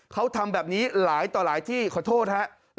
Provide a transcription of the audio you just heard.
เขาทำแบบนี้หลายต่อหลายที่ขอโทษครับ